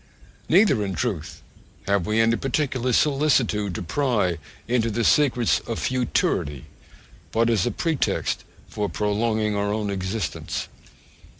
Neither, in truth, have we any particular solicitude to pry into the secrets of futurity, but as a pretext for prolonging our own existence.